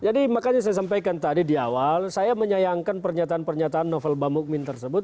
jadi makanya saya sampaikan tadi di awal saya menyayangkan pernyataan pernyataan novel bang mumin tersebut